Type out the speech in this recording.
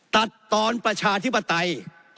ตัดตอนประชาธิปไตย